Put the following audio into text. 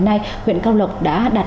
xin mời quý vị và các bạn cùng theo dõi